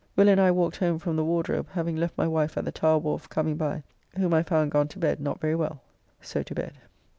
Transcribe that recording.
Will and I walked home from the Wardrobe, having left my wife at the Tower Wharf coming by, whom I found gone to bed not very well.... So to bed.